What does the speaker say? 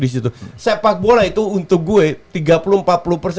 sepak bola itu untuk gue